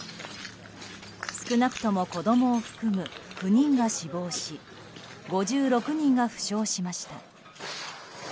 少なくとも子供を含む９人が死亡し５６人が負傷しました。